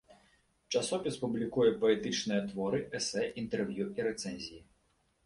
Часопіс публікуе паэтычныя творы, эсэ, інтэрв'ю і рэцэнзіі.